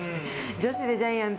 女子でジャイアンツ？